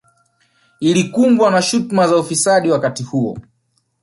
Ilikumbwa na shutuma za ufisadi wakati huo